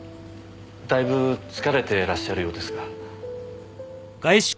だいぶ疲れてらっしゃるようですが。